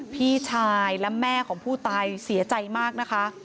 พี่ชายและแม่ของผู้ตายเสียใจมากนะคะ